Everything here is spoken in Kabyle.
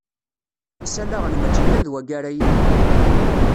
Isalaɣen mačči kan d wagi ara yilin.